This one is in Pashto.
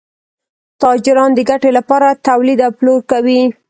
تاجران د ګټې لپاره تولید او پلور کوي.